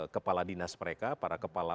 kepala dinas mereka para kepala